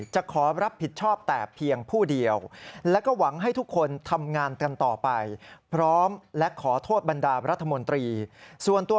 จะขอรับผิดชอบแต่เพียงผู้เดียว